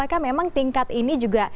apakah memang tingkat ini juga